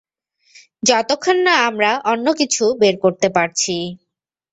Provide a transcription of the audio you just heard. যতক্ষণ না আমরা অন্য কিছু বের করতে পারছি।